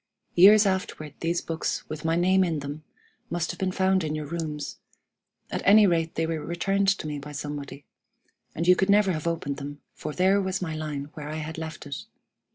Years afterward these books, with my name in them, must have been found in your rooms; at any rate they were returned to me by somebody; and you could never have opened them, for there was my line where I had left it.